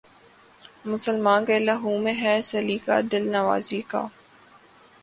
مسلماں کے لہو میں ہے سلیقہ دل نوازی کا